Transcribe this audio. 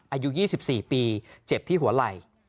อายุ๒๔ปีเจ็บที่หัวไหล่